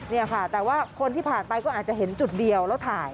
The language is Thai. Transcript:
นี่ค่ะแต่ว่าคนที่ผ่านไปก็อาจจะเห็นจุดเดียวแล้วถ่าย